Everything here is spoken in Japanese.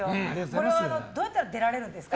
これはどうやったら出られるんですか？